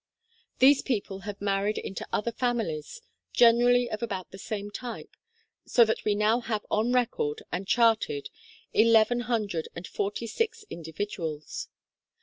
These people have married into other families, gen erally of about the same type, so that we now have on record and charted eleven hundred and forty six in dividuals.